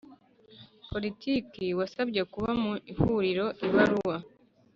Politiki wasabye kuba mu ihuriro ibaruwa